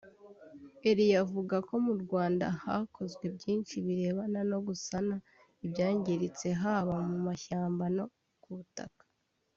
Eriyo avuga ko mu Rwanda hakozwe byinshi birebana no gusana ibyangiritse haba mu mashyamba no ku butaka